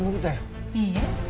いいえ。